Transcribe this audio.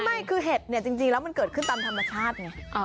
ไม่คือเห็ดเนี่ยจริงแล้วมันเกิดขึ้นตามธรรมชาติไง